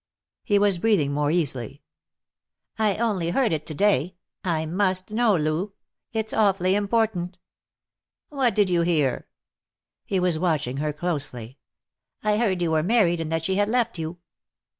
He was breathing more easily. "I only heard it to day. I must know, Lou. It's awfully important." "What did you hear?" He was watching her closely. "I heard you were married, but that she had left you."